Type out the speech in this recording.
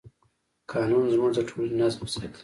قانون زموږ د ټولنې نظم ساتي.